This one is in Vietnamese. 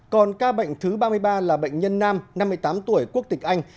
còn ca bệnh thứ ba mươi ba là bệnh nhân nam năm mươi tám tuổi quốc tịch anh